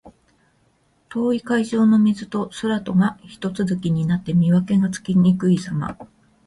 遠い海上の水と空とがひと続きになって、見分けがつきにくいさま。